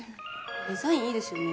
デザインいいですね。